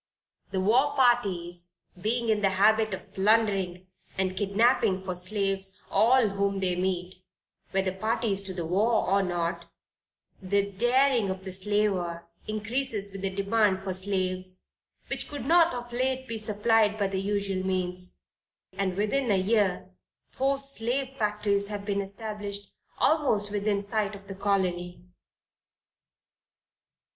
The war parties being in the habit of plundering and kidnapping for slaves all whom they meet, whether parties to the war or not, the daring of the slaver increases with the demand for slaves, which could not of late be supplied by the usual means; and within a year four slave factories have been established almost within sight of the Colony."